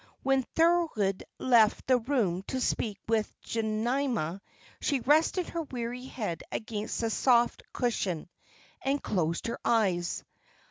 When Thorold left the room to speak to Jemima, she rested her weary head against the soft cushion and closed her eyes.